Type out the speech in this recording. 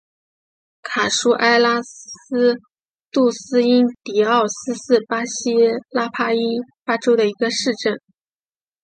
卡舒埃拉杜斯因迪奥斯是巴西帕拉伊巴州的一个市镇。